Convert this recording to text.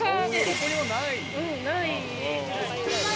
どこにもないかな。